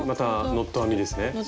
ノット編みですね。